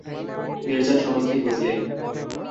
মিরজান সমস্তই বুঝলে।